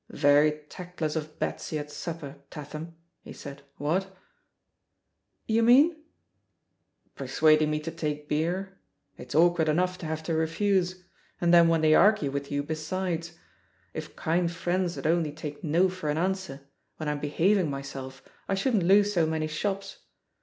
"Very tactless of Betsy at supper, Tatham," he said, "what?" "You mean ?" "Persuading me to take beer. It*s awkward enough to have to refuse; and then when they argue with you besides 1 If kind friends'd only take *no* for an answer, when I'm behaving my self, I shouldn't lose so many shops.